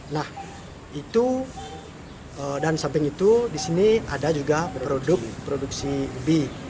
nah itu dan samping itu di sini ada juga produk produksi bi